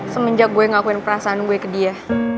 semenjak gue ngakuin perasaan gue ke dia